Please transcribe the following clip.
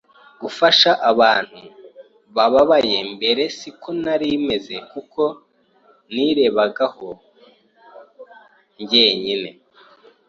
gufasha abantu bababaye Mbere siko nari meze kuko nirebagaho njyenyine,